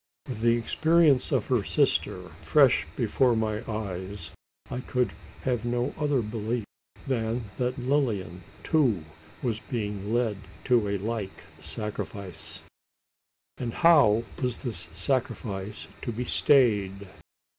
With the experience of her sister fresh before my eyes, I could have no other belief than that Lilian, too, was being led to a like sacrifice. And how was this sacrifice to be stayed?